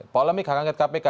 polemik angket kpk